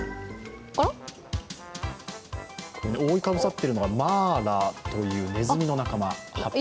覆いかぶさっているのがマーラというねずみの仲間８匹。